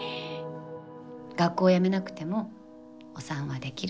学校やめなくてもお産はできる。